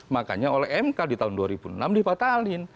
makanya oleh mk di tahun dua ribu enam dibatalin